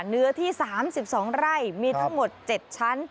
เนื้อที่๓๒ไร่มีทั้งหมด๗ชั้น